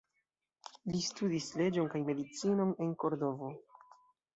Li studis leĝon kaj medicinon en Kordovo.